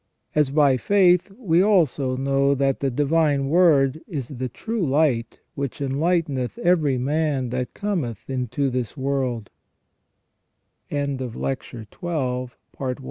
As by faith we also know that the Divine Word is " the true light, which enlighteneth every man that cometh into this world ".* S. Leo, Serm. i, De Nativ. f Id. ibid.